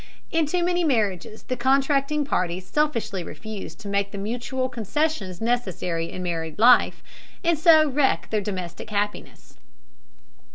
In too many marriages the contracting parties selfishly refuse to make the mutual concessions necessary in married life and so wreck their domestic happiness.